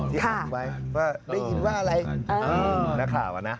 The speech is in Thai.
ที่อ่านไว้ว่าได้ยินว่าอะไรนักข่าวอ่ะนะ